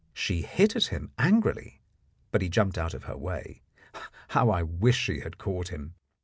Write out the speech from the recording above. She hit at him angrily, but he jumped out of her way (how I wished she had caught him!)